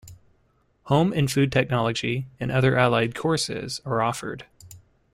Home and Food Technology and other allied courses are offered.